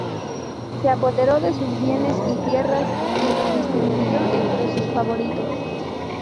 Se apoderó de sus bienes y tierras y los distribuyó entre sus favoritos.